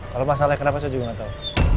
kalau masalahnya kenapa saya juga gak tau